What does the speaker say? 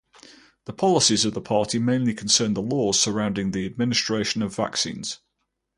The policies of the party mainly concern the laws surrounding the administration of vaccines.